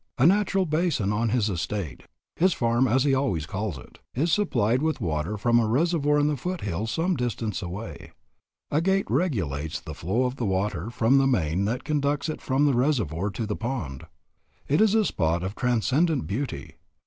A natural basin on his estate his farm as he always calls it is supplied with water from a reservoir in the foothills some distance away. A gate regulates the flow of the water from the main that conducts it from the reservoir to the pond. It is a spot of transcendent beauty.